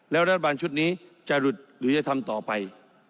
แล้วรัฐบาลชุดนี้จะหลุดหรือจะทำต่อไป